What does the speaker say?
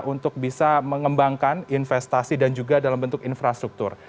untuk bisa mengembangkan investasi dan juga dalam bentuk infrastruktur